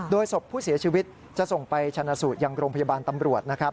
โดยศพผู้เสียชีวิตจะส่งไปชนะสูตรยังโรงพยาบาลตำรวจนะครับ